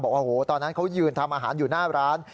บอกว่าตอนนั้นเขายืนทำอาหารอยู่หน้าร้าน